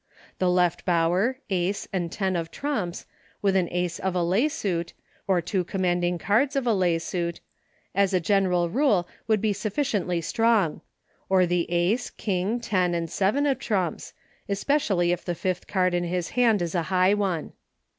The Left Bower, Ace, and ten of trumps, with an Ace of a lay suit, or two commanding cards of a lay suit, as a general rule, would be sufficiently strong ; or the Ace, King, ten, and seven of trumps — especially if the fifth card in his hand is a high one.